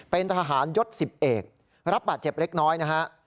เป็นทหารยศ๑๐เอกรับบาดเจ็บเล็กน้อยนะฮะ